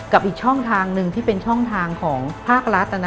อีกช่องทางหนึ่งที่เป็นช่องทางของภาครัฐ